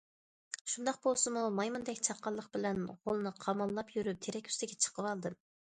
شۇنداق بولسىمۇ مايمۇندەك چاققانلىق بىلەن غولىنى قاماللاپ يۈرۈپ تېرەك ئۈستىگە چىقىۋالدىم.